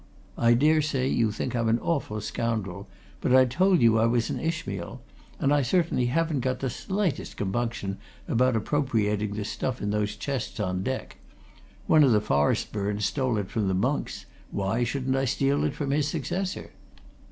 I daresay you think I'm an awful scoundrel, but I told you I was an Ishmael and I certainly haven't got the slightest compunction about appropriating the stuff in those chests on deck one of the Forestburnes stole it from the monks why shouldn't I steal it from his successor?